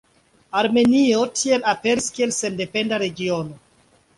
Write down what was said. Armenio tiel aperis kiel sendependa regiono.